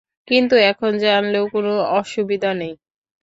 কিন্তু এখন জানলেও কোন অসুবিধা নেই।